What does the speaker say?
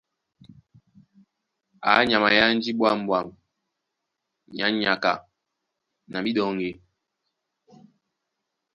Á nyama é ánjí ɓwǎm̀ɓwam nyá nyaka na míɗɔŋgi.